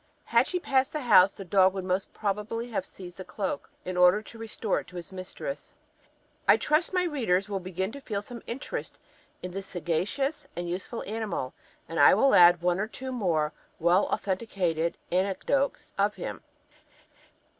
Had she passed the house, the dog would most probably have seized the cloak, in order to restore it to his mistress. I trust my readers will begin to feel some interest in this sagacious and useful animal, and I will add one or two more well authenticated anecdotes of him.